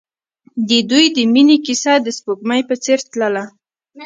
د دوی د مینې کیسه د سپوږمۍ په څېر تلله.